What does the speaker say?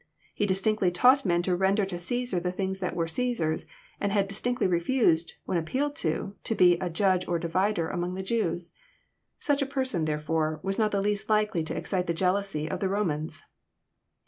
He distinctly taught men to render to Ceesar the things that were CflBsar's, and had distinctly revised, when appealed to, to be '' a Judge or divider " among the Jews. Such a person, therefore, was not the least likely to excite the Jealousy of the Ro mans.